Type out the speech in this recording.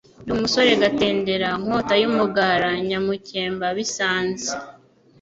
ndi umusore Gatendera, Nkota y'umugara, nyamukemba abo isanze.,